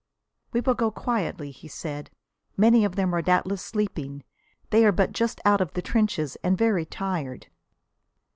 "We will go quietly," he said. "Many of them are doubtless sleeping; they are but just out of the trenches and very tired."